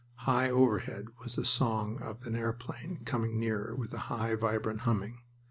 High overhead was the song of an airplane coming nearer, with a high, vibrant humming.